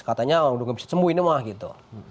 katanya udah nggak bisa sembuh ini mah gitu